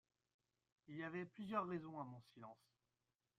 Il y avait plusieurs raisons a mon silence.